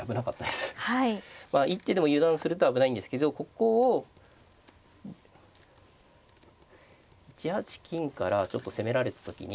一手でも油断すると危ないんですけどここを１八金からちょっと攻められた時に。